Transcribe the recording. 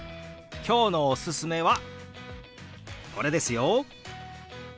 今日のおすすめはこれですよ。